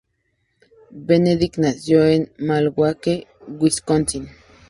Benedict nació en Milwaukee, Wisconsin.